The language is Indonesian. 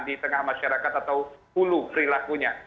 di tengah masyarakat atau hulu perilakunya